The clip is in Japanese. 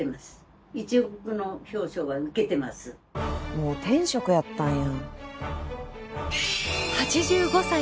もう天職やったんや。